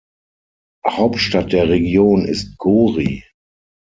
Hauptstadt der Region ist Gori.